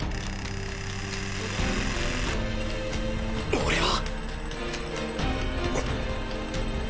俺は